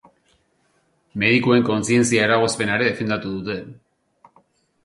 Medikuen kontzientzia-eragozpena ere defendatu dute.